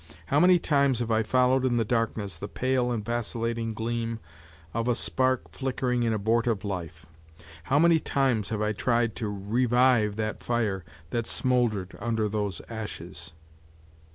How many times have I followed in the darkness the pale and vacillating gleam of a spark flickering in abortive life! How many times have I tried to revive the fire that smoldered under those ashes!